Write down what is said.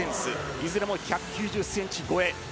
いずれも１９０ｃｍ超え。